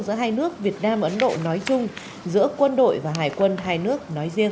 giữa hai nước việt nam ấn độ nói chung giữa quân đội và hải quân hai nước nói riêng